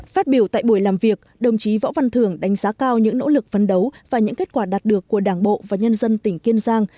phát biểu tại buổi làm việc đồng chí võ văn thường đánh giá cao những nỗ lực phấn đấu và những kết quả đạt được của đảng bộ và nhân dân tỉnh kiên giang